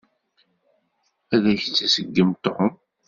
Ad tt-iṣeggem Tom.